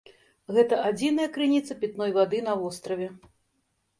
Гэта адзіная крыніца пітной вады на востраве.